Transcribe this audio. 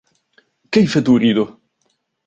كيف تريده؟